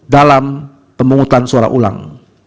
dalam pemungutan suara ulang